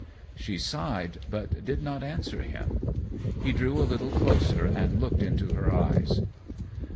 She sighed, but did not answer him. He drew a little closer and looked into her eyes.